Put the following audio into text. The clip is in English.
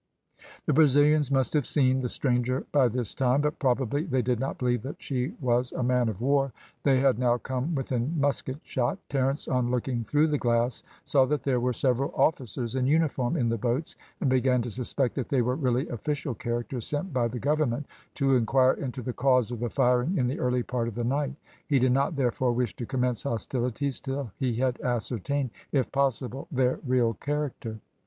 The Brazilians must have seen the stranger by this time, but probably they did not believe that she was a man of war. They had now come within musket shot. Terence, on looking through the glass, saw that there were several officers in uniform in the boats, and began to suspect that they were really official characters, sent by the government to inquire into the cause of the firing in the early part of the night; he did not, therefore, wish to commence hostilities till he had ascertained, if possible, their real character.